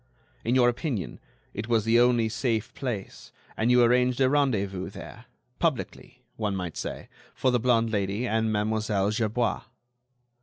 In your opinion, it was the only safe place, and you arranged a rendezvous there, publicly, one might say, for the blonde Lady and Mademoiselle Gerbois."